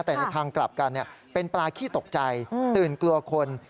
แต่ในทางกลับกันเป็นปลาขี้ตกใจตื่นกลัวคน